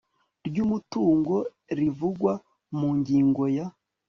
ry umutungo rivugwa mu ngingo ya